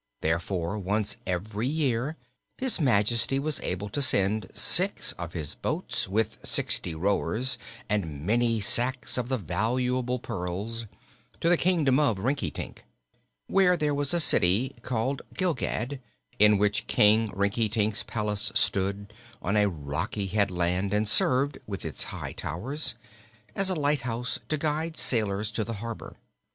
Therefore, once every year His Majesty was able to send six of his boats, with sixty rowers and many sacks of the valuable pearls, to the Kingdom of Rinkitink, where there was a city called Gilgad, in which King Rinkitink's palace stood on a rocky headland and served, with its high towers, as a lighthouse to guide sailors to the harbor.